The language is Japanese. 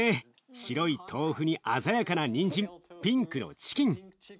白い豆腐に鮮やかなにんじんピンクのチキン緑の枝豆。